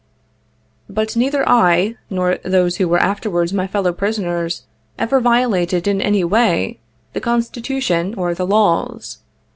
But neither I, nor those who were afterwards my fellow prisoners, ever violated in any way, the Consti tution or the laws.